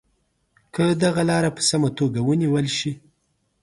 که دغه لاره په سمه توګه ونیول شي.